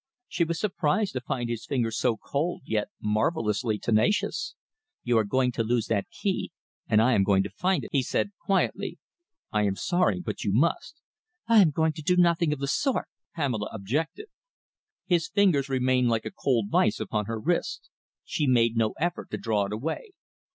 She was surprised to find his fingers so cold, yet marvellously tenacious. "You are going to lose that key and I am going to find it," he said, quietly. "I am sorry but you must." "I am going to do nothing of the sort," Pamela objected. His fingers remained like a cold vice upon her wrist. She made no effort to draw it away.